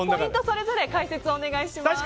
それぞれ解説お願いします。